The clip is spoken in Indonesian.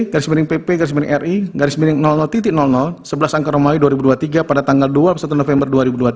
garis miring pp garis miring ri garis miring sebelas angka romawi dua ribu dua puluh tiga pada tanggal dua puluh satu november dua ribu dua puluh tiga